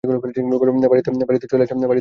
বাড়িতে চলে এসেছো, জ্যাকব।